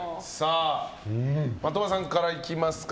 的場さんから行きますか。